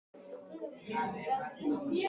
ان سیاسي جوړښتونه پخوا حالت ته وګرځېدل.